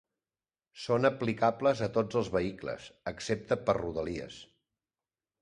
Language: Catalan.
Són aplicables a tots els vehicles, excepte per a Rodalies.